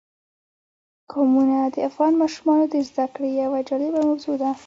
قومونه د افغان ماشومانو د زده کړې یوه جالبه موضوع ده.